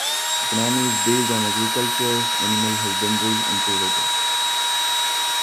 Economy is based on agriculture, animal husbandry and tourism.